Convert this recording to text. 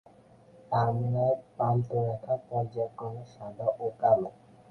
Terminal প্রান্তরেখা পর্যায়ক্রমে সাদা ও কালো।